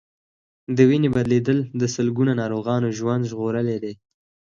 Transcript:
د وینې بدلېدل د سلګونو ناروغانو ژوند ژغورلی دی.